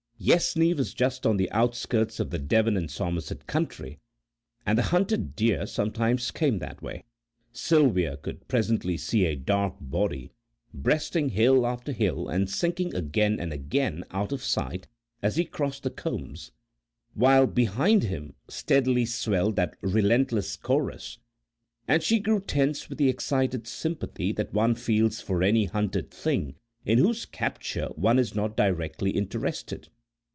Yessney was just on the outskirts of the Devon and Somerset country, and the hunted deer sometimes came that way. Sylvia could presently see a dark body, breasting hill after hill, and sinking again and again out of sight as he crossed the combes, while behind him steadily swelled that relentless chorus, and she grew tense with the excited sympathy that one feels for any hunted thing in whose capture one is not directly interested.